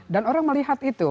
dan orang melihat itu